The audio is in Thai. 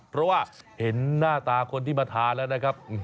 เพราะว่าเห็นหน้าตาคนที่มาทานแล้วนะครับ